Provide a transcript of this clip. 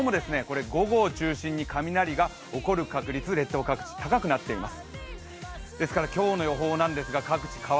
今日も午後を中心に雷が起こる確率、列島各地、高くなっています。